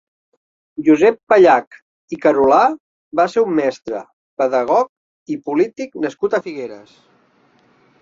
Josep Pallach i Carolà va ser un mestre, pedagog i polític nascut a Figueres.